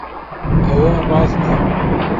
ئەوە ڕاست نییە.